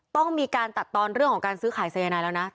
ต้องมีการตัดตอนเรื่องของการซื้อขายสายนายแล้วนะ